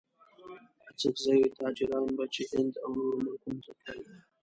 اڅګزي تاجران به چې هند او نورو ملکونو ته تلل.